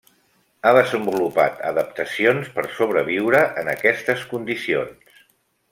Ha desenvolupat adaptacions per sobreviure en aquestes condicions.